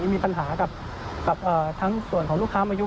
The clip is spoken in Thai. สำหรับพลังเลี้ยว